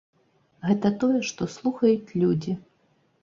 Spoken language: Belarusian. Гэта тое, што слухаюць людзі.